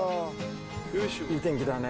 いい天気だね。